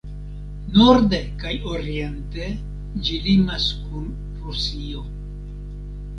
Norde kaj oriente ĝi limas kun Rusio.